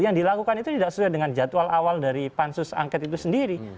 yang dilakukan itu tidak sesuai dengan jadwal awal dari pansus angket itu sendiri